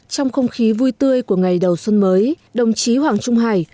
trong không khí vui tươi của ngày đầu xuân mới đồng chí hoàng trung hải